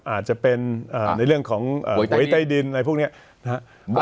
อาจจะเป็นอ่าในเรื่องของหวยไต้ดินอะไรพวกเนี้ยนะฮะ